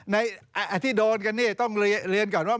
ที่โดนกันเนี่ยต้องเรียนก่อนว่า